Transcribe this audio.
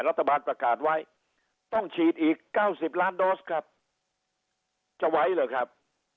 รัฐบาลประกาศไว้ต้องฉีดอีกเก้าสิบล้านครับจะไหวหรือครับ